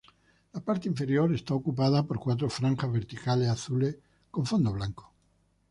La parte inferior es ocupada por cuatro franjas verticales azules con fondo blanco.